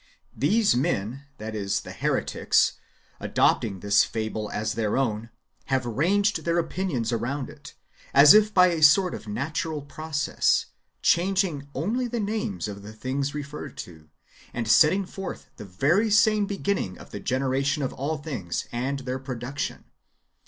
These men (the heretics), adopting this fable as their own, have ranged their opinions round it, as if by a sort of natural process, changing only the names of the things referred to, and setting forth the very same beginning of the generation of all things, and their production.